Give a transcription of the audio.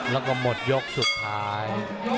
แล้วก็หมดยกสุดท้าย